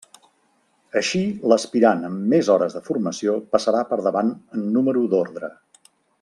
Així l'aspirant amb més hores de formació passarà per davant en número d'ordre.